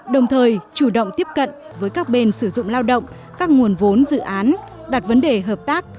đồng thời chủ động tiếp cận với các bên sử dụng lao động các nguồn vốn dự án đặt vấn đề hợp tác